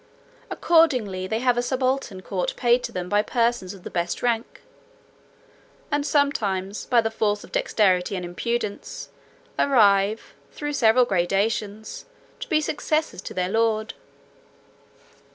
Accordingly, they have a subaltern court paid to them by persons of the best rank; and sometimes by the force of dexterity and impudence, arrive, through several gradations, to be successors to their lord.